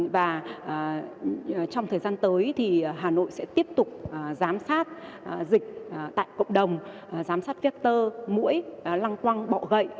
và trong thời gian tới thì hà nội sẽ tiếp tục giám sát dịch tại cộng đồng giám sát viết tơ mũi lăng quăng bọ gậy